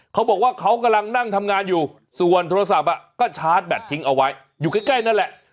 เขาบอกว่าเขากำลังนั่งทำงานอยู่ส่วนโทรศัพท์ก็ชาร์จแบตทิ้งเอาไว้อยู่ใกล้นั่นแหละ